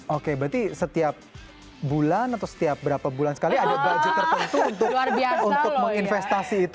oke berarti setiap bulan atau setiap berapa bulan sekali ada budget tertentu untuk menginvestasi itu